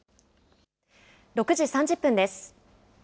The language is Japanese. ６時３０分です。